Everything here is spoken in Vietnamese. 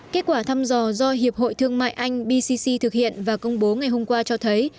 kết quả thăm dò do hiệp hội thương mại anh bcc thực hiện và công bố ngày hôm qua cho thấy